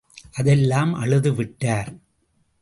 அதெல்லாம் அழுது விட்டார்.